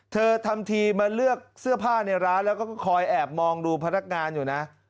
ทำทีมาเลือกเสื้อผ้าในร้านแล้วก็คอยแอบมองดูพนักงานอยู่นะ